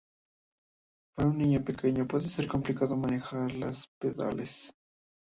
Para un niño pequeño puede ser complicado manejar los pedales.